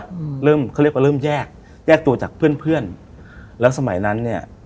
อืมเริ่มเขาเรียกว่าเริ่มแยกแยกตัวจากเพื่อนเพื่อนแล้วสมัยนั้นเนี้ย